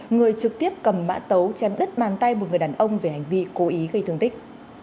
người trực tiếp cầm mã tấu chém đứt bàn tay một người đàn ông về hành vi cố ý gây thương tích